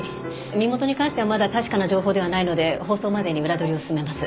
身元に関してはまだ確かな情報ではないので放送までに裏取りを進めます。